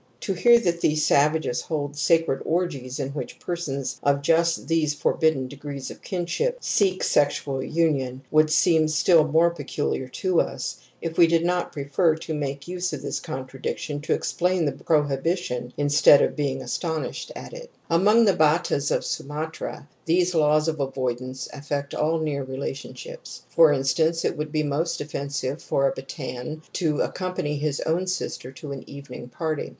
To hear that these savages hold sacred orgies in which persons of just these forbidden degrees of kinship seek sexual union would seem still more peculiar to us, if we did not prefer to make use of this contradiction to explain the prohibi tion instead of being astonished at it ^•. Among the Battas of Sumatra these laws of avoidance affect all near relationships. For in stance, it would be most offensive for a Battan to accompany his own sister to an evening party.